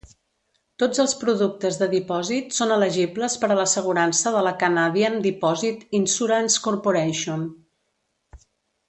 Tots els productes de dipòsit són elegibles per a l'assegurança de la Canadian dipòsit Insurance Corporation.